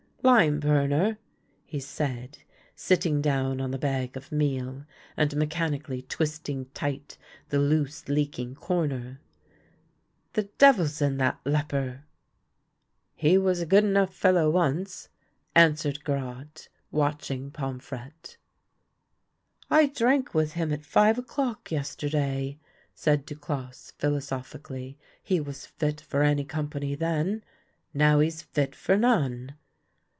" Lime burner," he said, sitting down on the bag of meal, and mechanically twisting tight the loose, leak ing corner, " the devil's in that leper." THE LITTLE BELL OF HONOUR 109 " He was a good enough fellow once," answered Garotte, watching Pomfrette. " I drank with him at five o'clock yesterday," said Duclosse, philosophically. " He was fit for any com pany then ; now he's fit for none."